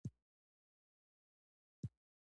احمده! د سر په سترګو دې ورته کتل؛ څنګه در څخه وتښتېدل؟!